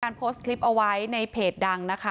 โพสต์คลิปเอาไว้ในเพจดังนะคะ